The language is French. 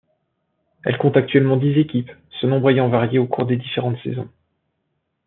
Elle compte actuellement dix équipes, ce nombre ayant varié au cours des différentes saisons.